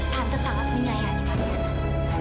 tante sangat menyayangi mariana